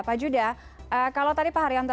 pak judah kalau tadi pak haryanto